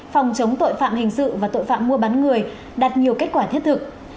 phòng chống tội phạm hình sự và tội phạm mua bắn người đặt nhiều kết quả thiết thực